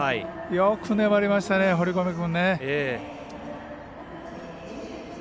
よく粘りましたね、堀米君。